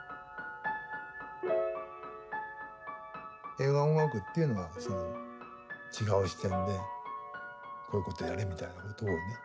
映画音楽っていうのは違う視点でこういうことをやれみたいなことをね